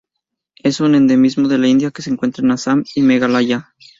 Es un endemismo de la India que se encuentra en Assam y Meghalaya.